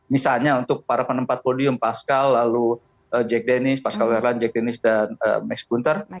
misalnya untuk para penempat podium pascal lalu jack dennis pascal gerland jack dennis dan max gunther